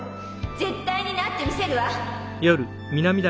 絶対になってみせるわ！